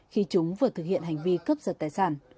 khi chúng vừa thực hiện hành vi cướp giật tài sản